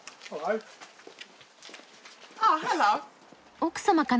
奥様かな。